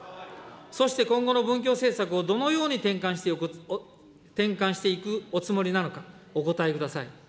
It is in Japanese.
そして今後の文教政策をどのように転換していくおつもりなのか、お答えください。